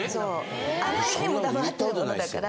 あまりにも黙ってたもんだから。